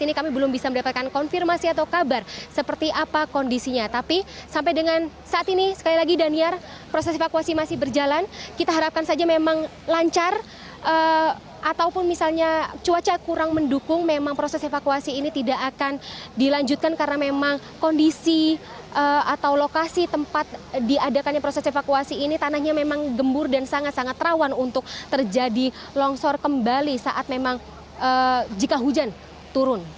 saat ini kami belum bisa mendapatkan konfirmasi atau kabar seperti apa kondisinya tapi sampai dengan saat ini sekali lagi daniar proses evakuasi masih berjalan kita harapkan saja memang lancar ataupun misalnya cuaca kurang mendukung memang proses evakuasi ini tidak akan dilanjutkan karena memang kondisi atau lokasi tempat diadakannya proses evakuasi ini tanahnya memang gembur dan sangat sangat rawan untuk terjadi longsor kembali saat memang jika hujan turun